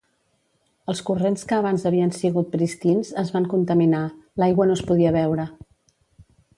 Els corrents que abans havien sigut pristins es van contaminar, l'aigua no es podia beure.